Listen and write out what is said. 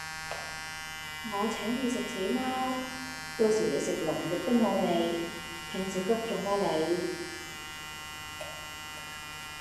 我請你食死貓，到時你食龍肉都無味，聽食穀種啦你